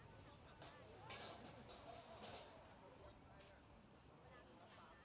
เมื่อเวลาเมื่อเวลาเมื่อเวลาเมื่อเวลา